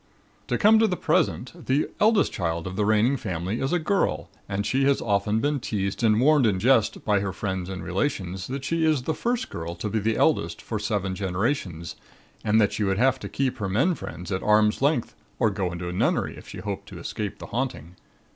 "To come to the present, the eldest child of the reigning family is a girl and she has been often teased and warned in jest by her friends and relations that she is the first girl to be the eldest for seven generations and that she would have to keep her men friends at arm's length or go into a nunnery if she hoped to escape the haunting.